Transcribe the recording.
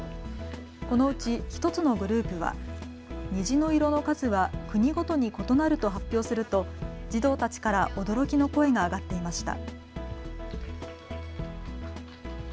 このうち１つのグループは虹の色の数は国ごとに異なると発表すると児童たちから驚きの声が上がっていました。